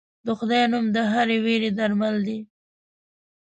د خدای نوم د هرې وېرې درمل دی.